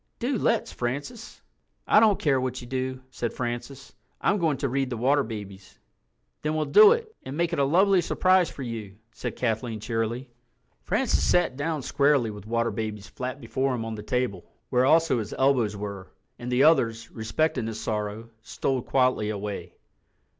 Do let's, Francis." "I don't care what you do," said Francis. "I'm going to read The Water Babies." "Then we'll do it, and make it a lovely surprise for you," said Kathleen cheerily. Francis sat down squarely with The Water Babies flat before him on the table, where also his elbows were, and the others, respecting his sorrow, stole quietly away.